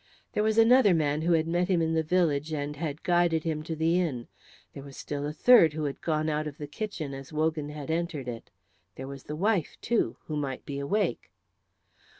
There was another man who had met him in the village and had guided him to the inn; there was still a third who had gone out of the kitchen as Wogan had entered it; there was the wife, too, who might be awake.